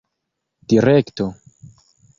direkto